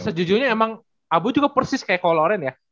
sejujurnya emang abu juga persis kayak coach loren ya